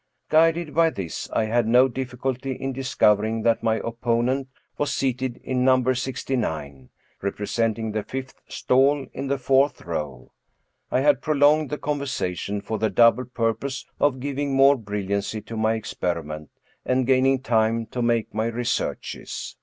Guided by this, I had no difficulty in discovering that my opponent was seated in number sixty nine, representing the fifth stall in the fourth row. I had prolonged the conversation for the double pur pose of giving more brilliancy to my experiment, and gaining time to make my researches.